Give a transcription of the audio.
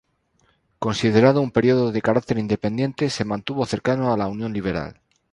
Considerado un periódico de carácter independiente, se mantuvo cercano a la Unión Liberal.